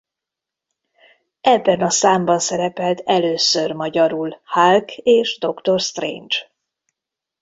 Ebben a számban szerepelt először magyarul Hulk és Doktor Strange.